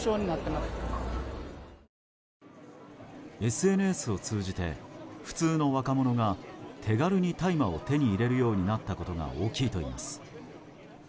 ＳＮＳを通じて、普通の若者が手軽に大麻を手に入れるようになったことが大きいといいます。